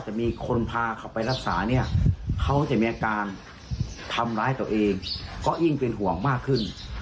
จะมีคนพาเขาไปรักษาเนี่ยเขาจะมีอาการทำร้ายตัวเองก็ยิ่งเป็นห่วงมากขึ้น